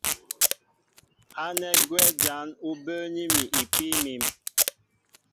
Ánɛ́ gwɛ́ jǎn ú bəə́ní mi ipíí mǐm.